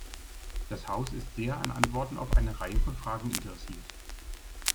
Das Haus ist sehr an Antworten auf eine Reihe von Fragen interessiert.